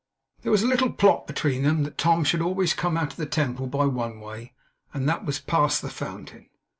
There was a little plot between them, that Tom should always come out of the Temple by one way; and that was past the fountain.